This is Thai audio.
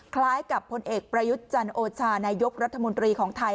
คล้ายกับผลเอกประยุทธ์จันโอชานายกรัฐมนตรีของไทย